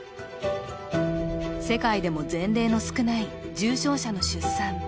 世界でも前例の少ない重症者の出産。